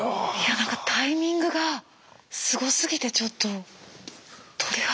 なんかタイミングがすごすぎてちょっと鳥肌。